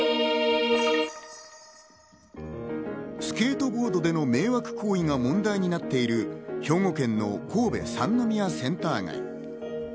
スケートボードでの迷惑行為が問題になっている兵庫県の神戸・三宮センター街。